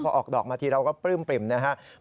พอออกดอกมาทีเราก็ปลื้มปริ่มนะครับ